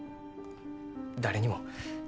誰にも。